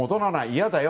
嫌だよ。